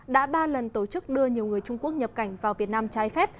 đã ba lần tổ chức đưa nhiều người trung quốc nhập cảnh vào việt nam trái phép